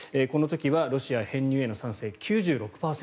この時はロシア編入への賛成９６％